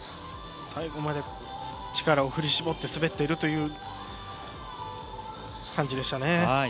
最後まで力を振り絞って滑っているという感じでした。